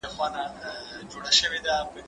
زه سپينکۍ مينځلي دي